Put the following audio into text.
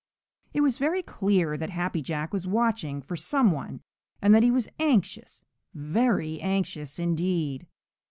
It was very clear that Happy Jack was watching for some one and that he was anxious, very anxious, indeed.